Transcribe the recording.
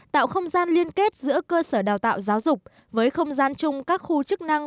tạo không gian liên kết giữa cơ sở đào tạo giáo dục với không gian chung các khu chức năng